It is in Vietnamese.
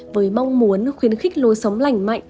với mong muốn khuyến khích lôi sống lành mạnh